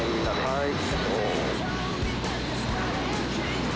はい。